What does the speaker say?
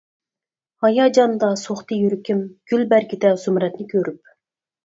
ھاياجاندا سوقتى يۈرىكىم، گۈل بەرگىدە زۇمرەتنى كۆرۈپ.